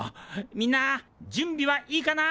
みんな準備はいいかな？